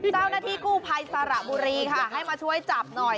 เจ้าหน้าที่กู้ภัยสระบุรีค่ะให้มาช่วยจับหน่อย